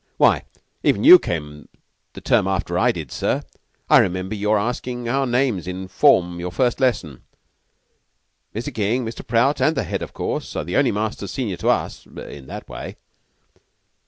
"Why, even you came the term after I did, sir. I remember your asking our names in form your first lesson. Mr. King, Mr. Prout, and the Head, of course, are the only masters senior to us in that way."